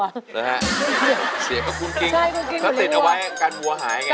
เหรอฮะเสียงกับกุ้งกิ้งเค้าติดเอาไว้กันวัวหายไง